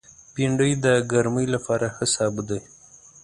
بېنډۍ د ګرمۍ لپاره ښه سابه دی